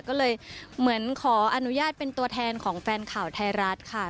ก็เลยเหมือนขออนุญาตเป็นตัวแทนของแฟนข่าวไทยรัฐค่ะ